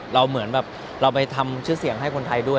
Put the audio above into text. เหมือนแบบเราไปทำชื่อเสียงให้คนไทยด้วย